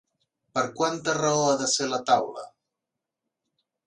Per quanta raó ha de ser la taula?